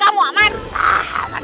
aku takut aku takut